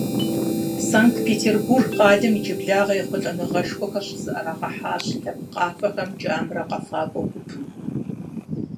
Санкт-Петербург къалэм иджыблагъэ ехъулӏэныгъэшхуэхэр щызыӏэрагъэхьащ лъэпкъ къафэхэмкӏэ «Амра» къэфакӏуэ гупым.